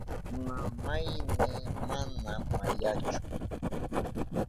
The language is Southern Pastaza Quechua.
Mamayni mana payachu.